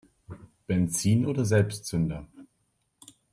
Benzin oder Selbstzünder?